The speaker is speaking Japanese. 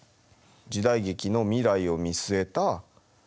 時代劇の未来を見据えた回にしたい。